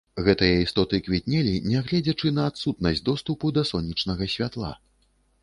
Гэтыя істоты квітнелі, нягледзячы на адсутнасць доступу да сонечнага святла.